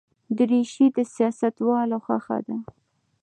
دریشي د سیاستوالو خوښه ده.